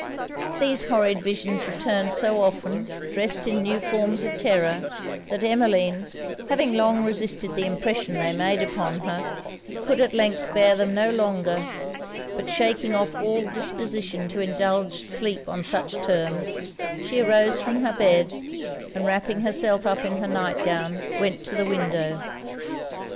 These horrid visions returned so often, drest in new forms of terror, that Emmeline, having long resisted the impression they made upon her, could at length bear them no longer; but shaking off all disposition to indulge sleep on such terms, she arose from her bed, and wrapping herself up in her night gown, went to the window.